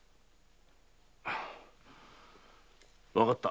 わかった。